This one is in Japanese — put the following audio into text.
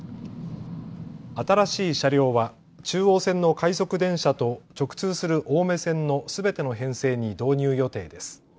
新しい車両は中央線の快速電車と直通する青梅線のすべての編成に導入予定です。